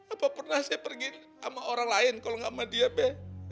apa pernah saya pergi sama orang lain kalo gak sama dia be